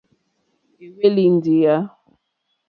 Éhwélì díyà.